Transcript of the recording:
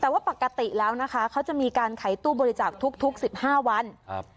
แต่ว่าปกติแล้วนะคะเขาจะมีการขายตู้บริจาคทุกทุกสิบห้าวันครับ